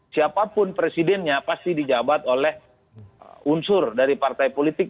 siapapun presidennya pasti dijabat oleh unsur dari partai politik